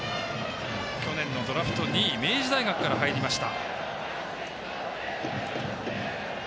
去年のドラフト２位明治大学から入りました。